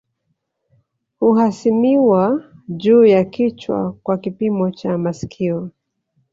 Huhasimiwa juu ya kichwa kwa kipimo cha masikio